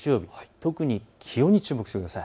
特に気温に注目してください。